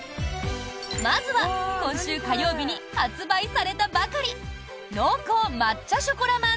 まずは今週火曜日に発売されたばかり濃厚抹茶ショコラ